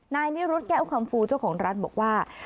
นายนิรุธแก้วคำฟูเจ้าของร้านบอกว่า